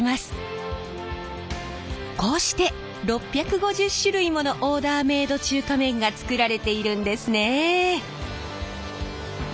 こうして６５０種類ものオーダーメード中華麺が作られているんですね。